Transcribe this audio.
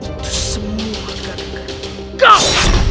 itu semua gara gara kau